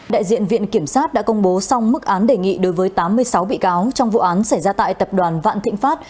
đại diện viện kiểm sát đã công bố xong mức án đề nghị đối với tám mươi sáu bị cáo trong vụ án xảy ra tại tập đoàn vạn thịnh pháp